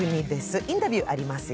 インタビューありますよ。